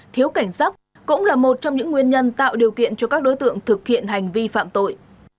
thiếu cảnh giác cũng là một trong những nguyên nhân tạo điều kiện cho các đối tượng thực hiện hành vi phạm tội